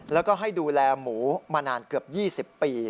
แล้วก็ให้ดูแลหมูมานานเกือบ๒๐ปี